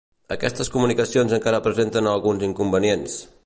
Aquestes comunicacions encara presenten alguns inconvenients.